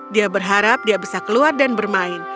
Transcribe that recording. dia berharap dia bisa keluar dan bermain